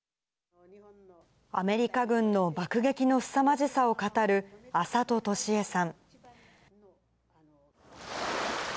アメリカ軍の爆撃のすさまじさを語る、安里要江さん。